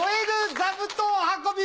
座布団運び